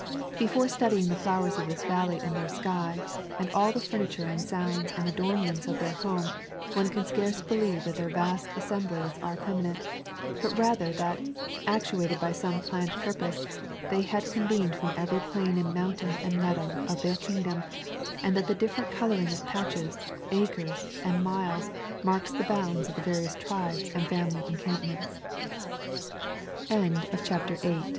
Before studying the flowers of this valley and their sky, and all of the furniture and sounds and adornments of their home, one can scarce believe that their vast assemblies are perma nent; but rather that, actuated by some plant purpose, they had convened from every plain and mountain and meadow of their kingdom, and that the different coloring of patches, acres, and miles marks the bounds of